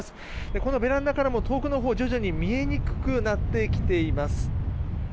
このベランダからも遠くのほうが徐々に見えにくくなってきています。